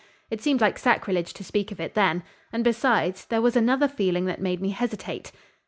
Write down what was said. It seemed like sacrilege to speak of it then, and, besides, there was another feeling that made me hesitate."